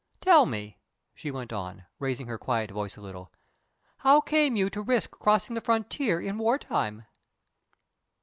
Tell me," she went on, raising her quiet voice a little, "how came you to risk crossing the frontier in wartime?"